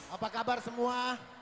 apa kabar semua